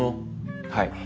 はい。